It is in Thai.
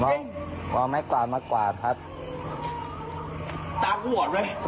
ผมเอาไม่ความมากกว่าครับตาผมอดไว้